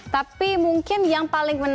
tapi mungkin yang paling menarik